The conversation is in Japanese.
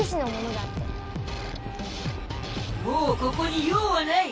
もうここに用はない。